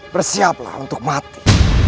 bersiaplah untuk mati